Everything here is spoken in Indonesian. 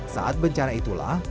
saat bencana itulah